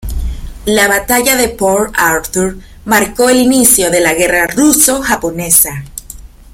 La batalla de Port Arthur marcó el inicio de la guerra ruso-japonesa.